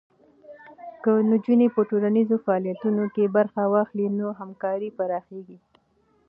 که نجونې په ټولنیزو فعالیتونو کې برخه واخلي، نو همکاري پراخېږي.